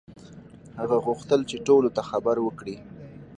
هغه غوښتل چې ټولو ته خبر وکړي.